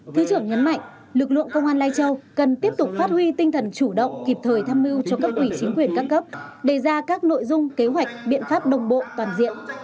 thứ trưởng nhấn mạnh lực lượng công an lai châu cần tiếp tục phát huy tinh thần chủ động kịp thời tham mưu cho cấp ủy chính quyền các cấp đề ra các nội dung kế hoạch biện pháp đồng bộ toàn diện